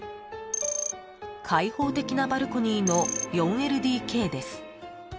［「開放的なバルコニーの４ＬＤＫです」］